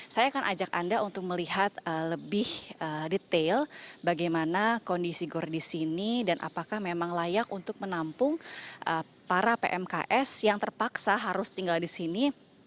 saya akan ajak anda untuk melihat lebih detail bagaimana kondisi gor di sini dan apakah memang layak untuk menampung para pmks yang terpaksa harus tinggal di sini